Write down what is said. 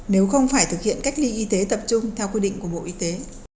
nếu không phải thực hiện cách ly y tế tập trung theo quy định của bộ y tế